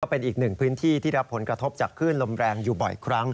พื้นที่ที่รับผลกระทบจากขึ้นลมแรงอยู่บ่อยครั้ง